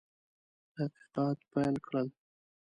تحقیقات پیل کړل.